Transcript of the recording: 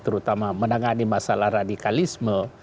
terutama menangani masalah radikalisme